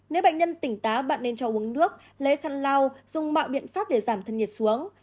nếu bệnh nhân tỉnh tá bạn nên cho uống nước lấy khăn lao dùng mọi biện pháp để giảm thân nhiệt xuống